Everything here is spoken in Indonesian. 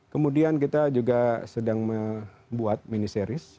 kemudian kita juga sedang membuat mini series